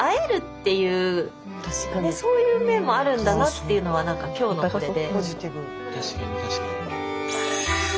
っていうのは何か今日のこれで。